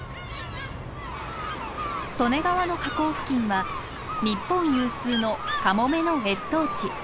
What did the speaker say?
利根川の河口付近は日本有数のカモメの越冬地。